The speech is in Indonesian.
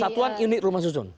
satuan unit rumah susun